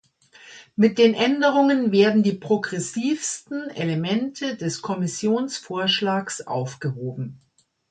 Mit den Änderungen werden die progressivsten Elemente des Kommissionsvorschlags aufgehoben.